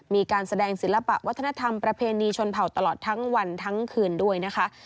มีการแสดงศิลปะวัฒนธรรมประเพณีชนเผ่าตลอดทั้งวันทั้งคืนด้วยนะคะ